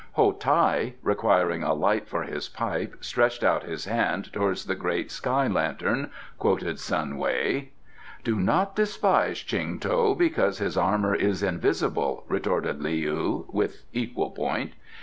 "'Ho Tai, requiring a light for his pipe, stretched out his hand towards the great sky lantern,'" quoted Sun Wei. "'Do not despise Ching To because his armour is invisible,'" retorted Leou, with equal point.